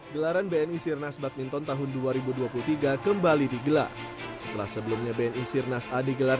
gelaran bni sirnas badminton tahun dua ribu dua puluh tiga kembali digelar setelah sebelumnya bni sirnas a digelar